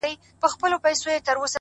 چي کله ستا د حسن په جلوه کي سره ناست و _